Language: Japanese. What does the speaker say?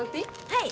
はい！